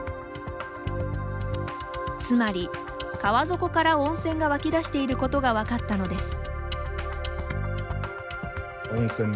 つまり、川底から温泉が湧き出していることが分かったのです。